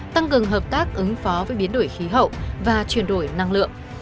tăng cường hợp tác ứng phó với biến đổi khí hậu và chuyển đổi năng lượng